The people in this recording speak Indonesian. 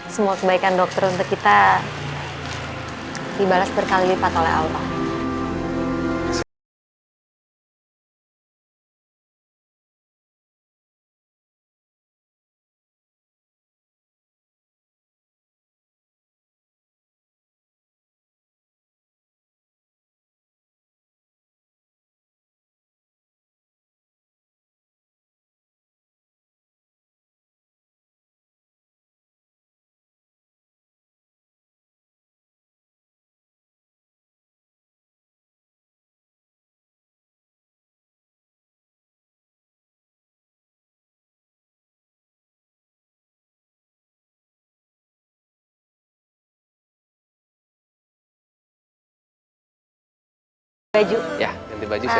semua kebaikan dokter untuk kita dibalas berkali lipat oleh allah